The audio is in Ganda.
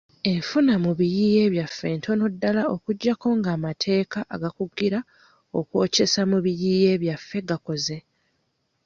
Enfuna mu biyiiye byaffe ntono ddala okuggyako ng'amateeka agakugira okwokyesa mu biyiiye byaffe gakoze.